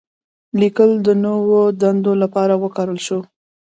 لیکل د نوو دندو لپاره وکارول شول.